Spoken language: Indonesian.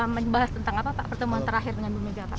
menyebabkan apa pak pertemuan terakhir dengan bumega